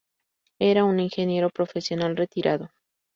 Era un ingeniero profesional retirado.